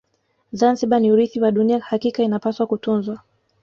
zanzibar ni urithi wa dunia hakika inapaswa kutunzwa